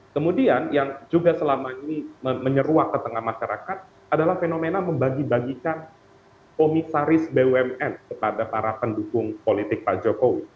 kemudian yang juga selama ini menyeruak ke tengah masyarakat adalah fenomena membagi bagikan komisaris bumn kepada para pendukung politik pak jokowi